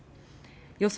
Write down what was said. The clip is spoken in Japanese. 予想